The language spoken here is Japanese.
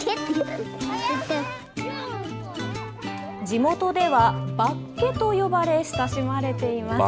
地元では、ばっけと呼ばれ親しまれています。